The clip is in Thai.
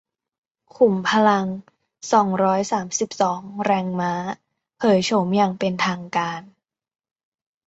ขุมพลัง สองร้อยสามสิบสอง แรงม้า เผยโฉมอย่างเป็นทางการ